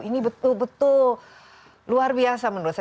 ini betul betul luar biasa menurut saya